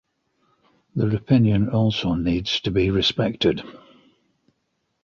Their opinion also needs to be respected.